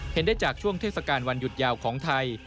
เห็นได้จากช่วงเทศกาลวันหยุดยาวของไทย